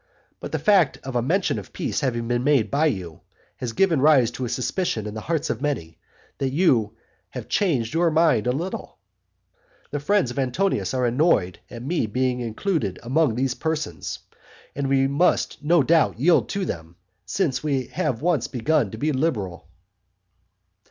But the fact of a mention of peace having been made by you, has given rise to a suspicion in the hearts of many, that you have changed your mind a little. The friends of Antonius are annoyed at my being included among these persons, and we must no doubt yield to them, since we have once begun to be liberal.